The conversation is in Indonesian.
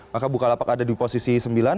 maka bukalapak ada di posisi sembilan